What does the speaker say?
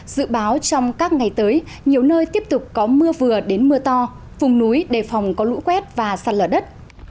dự báo trong các ngày tới nhiều nơi tiếp tục có mưa vừa đến mưa to vùng núi đề phòng có lũ quét và sạt lở đất